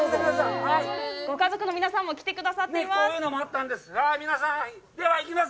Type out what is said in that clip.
ご家族の皆さんも来てくださっています。